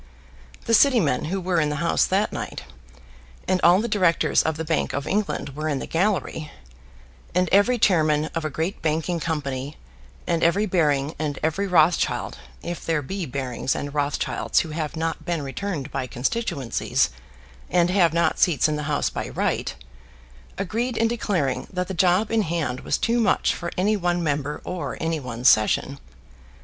The City men who were in the House that night, and all the Directors of the Bank of England were in the gallery, and every chairman of a great banking company, and every Baring and every Rothschild, if there be Barings and Rothschilds who have not been returned by constituencies, and have not seats in the House by right, agreed in declaring that the job in hand was too much for any one member or any one session.